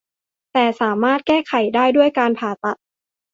แต่สามารถแก้ไขได้ด้วยการผ่าตัด